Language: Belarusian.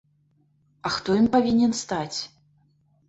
А хто ім павінен стаць?